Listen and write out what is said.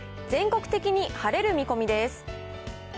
全国的に晴れる見込みです。